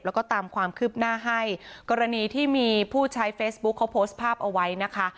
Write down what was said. แล้วก็ตามความคืบหน้าให้กรณีที่มีผู้ใช้เฟซบุ๊คเขาโพสต์ภาพเอาไว้นะคะ